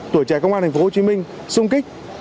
tuổi trẻ công an tp hcm xung kích